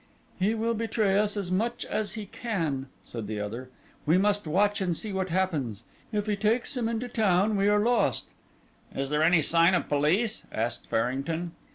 "He will betray us as much as he can," said the other. "We must watch and see what happens. If he takes him into town, we are lost." "Is there any sign of police?" asked Farrington.